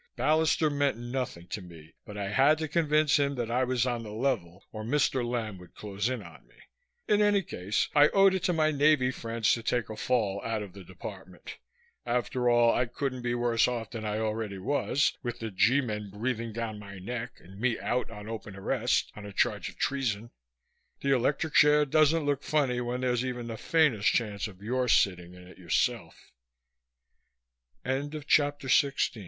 Ballister meant nothing to me but I had to convince him that I was on the level or Mr. Lamb would close in on me. In any case, I owed it to my Navy friends to take a fall out of the Department. After all, I couldn't be worse off than I already was, with the G Men breathing down my neck and me out on open arrest, on a charge of treason. The electric chair doesn't look funny when there's even the faintest chance of your sitting in it yourself. CHAPTER 17 "Name please!" asked the snippy young thing at the Navy Department Reception Desk. "R. L. Grant," I told her.